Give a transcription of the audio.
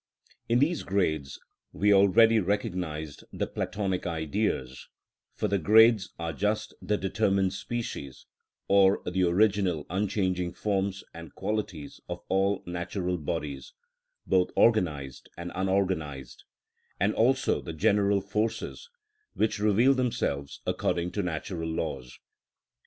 In these grades we already recognised the Platonic Ideas, for the grades are just the determined species, or the original unchanging forms and qualities of all natural bodies, both organised and unorganised, and also the general forces which reveal themselves according to natural laws.